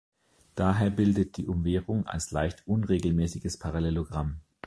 Daher bildet die Umwehrung als leicht unregelmäßiges Parallelogramm.